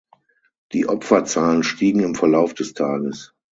Die Opferzahlen stiegen im Verlauf des Tages.